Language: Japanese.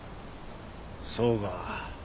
そうか。